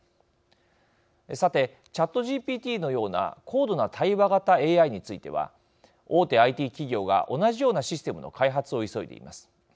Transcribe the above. さてＣｈａｔＧＰＴのような高度な対話型ＡＩについては大手ＩＴ企業が同じようなシステムの開発を急いでいます。